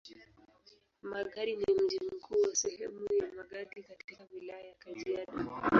Magadi ni mji mkuu wa sehemu ya Magadi katika Wilaya ya Kajiado.